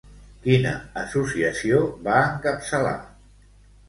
Quina associació va encapçalar?